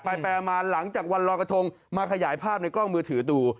ไปมาหลังจากวันรอยกระทงมาขยายภาพในกล้องมือถือดู